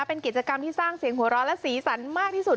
เป็นกิจกรรมที่สร้างเสียงหัวเราะและสีสันมากที่สุด